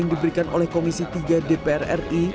diperhatikan oleh komisi tiga dpr ri